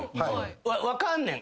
分かんねん。